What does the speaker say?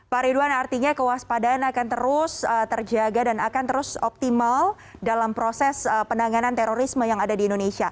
pak ridwan artinya kewaspadaan akan terus terjaga dan akan terus optimal dalam proses penanganan terorisme